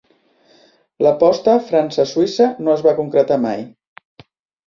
L'aposta França-Suïssa no es va concretar mai.